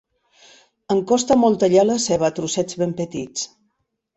Em costa molt tallar la ceba a trossets ben petits.